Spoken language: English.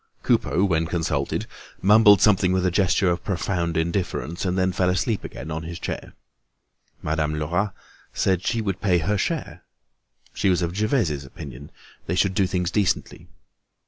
Coupeau, when consulted, mumbled something with a gesture of profound indifference, and then fell asleep again on his chair. Madame Lerat said that she would pay her share. She was of Gervaise's opinion, they should do things decently.